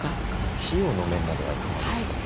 費用の面などはいかがですか？